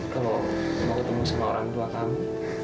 kalau mau ketemu sama orang tua kami